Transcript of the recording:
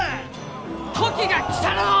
時が来たらのう！